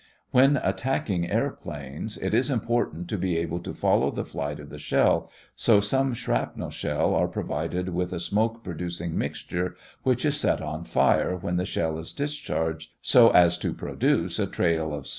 When attacking airplanes, it is important to be able to follow the flight of the shell, so some shrapnel shell are provided with a smoke producing mixture, which is set on fire when the shell is discharged, so as to produce a trail of smoke.